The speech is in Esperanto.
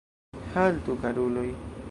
Haltu, karuloj!